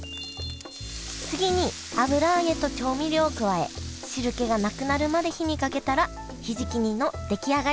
次に油揚げと調味料を加え汁気がなくなるまで火にかけたらひじき煮の出来上がり！